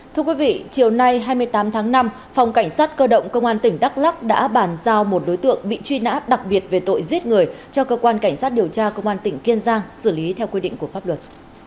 thưa quý vị chiều nay hai mươi tám tháng năm phòng cảnh sát cơ động công an tỉnh đắk lắc đã bàn giao một đối tượng bị truy nã đặc biệt về tội giết người cho cơ quan cảnh sát điều tra công an tỉnh kiên giang xử lý theo quy định của pháp luật